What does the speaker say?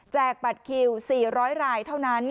บัตรคิว๔๐๐รายเท่านั้น